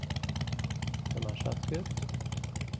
تەماشات کرد؟